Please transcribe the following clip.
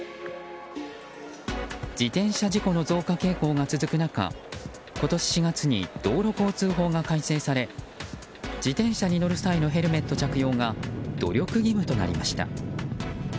自転車事故の増加傾向が続く中今年４月に道路交通法が改正され自転車に乗る際のヘルメット着用が努力義務となりました。